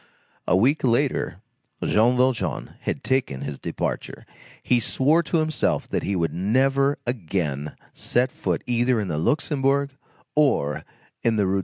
A week later, Jean Valjean had taken his departure. He swore to himself that he would never again set foot either in the Luxembourg or in the Rue de l'Ouest.